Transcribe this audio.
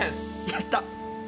やった！